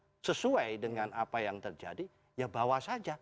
kalau sesuai dengan apa yang terjadi ya bawa saja